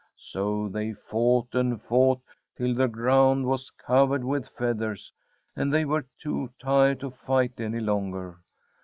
So they fought and fought, till the ground was covered with feathers, and they were too tired to fight any longer.